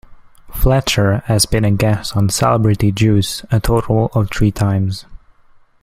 Fletcher has been a guest on Celebrity Juice a total of three times.